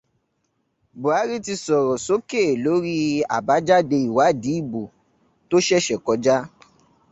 Bùhárí ti sọ̀rọ̀ sókè lórí àbájáde ìwádìí ìbò tó ṣẹ̀ṣẹ̀ kọjá.